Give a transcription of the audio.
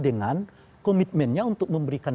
dengan komitmennya untuk memberikan